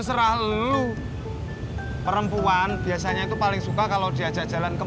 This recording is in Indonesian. serah lu perempuan biasanya itu paling suka kalau diajak jalan ke